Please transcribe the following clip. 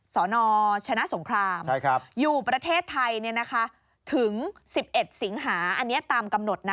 สนชนะสงครามอยู่ประเทศไทยถึง๑๑สิงหาอันนี้ตามกำหนดนะ